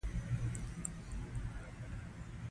کله مو هم چې خپل ځان پیدا کړ، ځان هماغسې ومنئ.